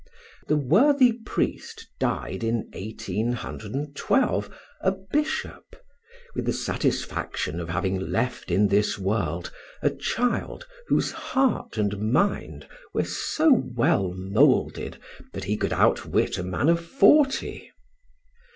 The worthy priest died in 1812, a bishop, with the satisfaction of having left in this world a child whose heart and mind were so well moulded that he could outwit a man of forty.